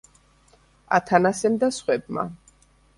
ათანასემ და სხვებმა.